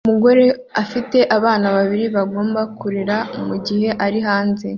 Umugore afite abana babiri bagomba kurera mugihe ari hanze